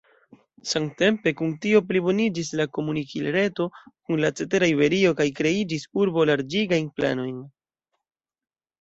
Samtempe kun tio pliboniĝis la komunikil-reto kun la cetera Iberio kaj kreiĝis urbo-larĝigajn planojn.